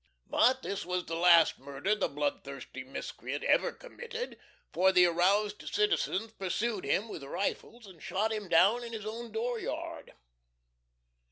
But this was the last murder the bloodthirsty miscreant ever committed, for the aroused citizens pursued him with rifles and shot him down in his own dooryard.